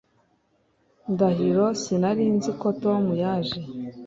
Ndahiro sinari nzi ko Tom yaje